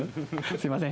すいません